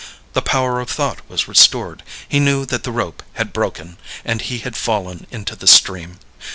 The power of thought was restored; he knew that the rope had broken and he had fallen into the stream.